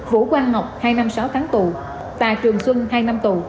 vũ quang ngọc hai năm sáu tháng tù và trường xuân hai năm tù